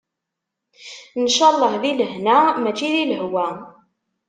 Ncalleh di lehna, mačči di lehwa.